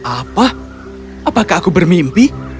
apa apakah aku bermimpi